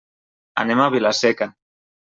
Anem a Vila-seca.